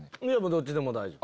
どっちでも大丈夫。